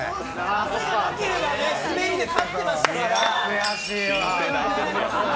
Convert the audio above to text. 汗がなければ滑りで勝ってましたから。